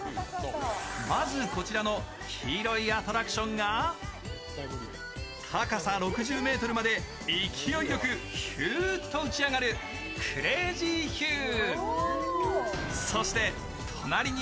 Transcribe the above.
まずこちらの黄色いアトラクションが高さ６０ｍまで勢いよくヒューッと打ち上がるクレージーヒュー。